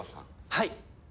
はい。